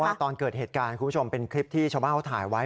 ตอนเกิดเหตุการณ์คุณผู้ชมเป็นคลิปที่ชาวบ้านเขาถ่ายไว้